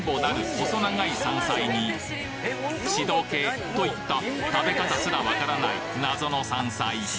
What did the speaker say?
細長い山菜に「しどけ」といった食べ方すらわからない謎の山菜